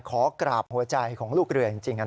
ขอกราบหัวใจของลูกเรือกจริงนะครับ